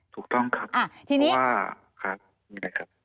ถูกต้องครับ